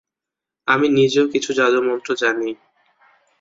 আমি নিজেও কিছু জাদুমন্ত্র জানি।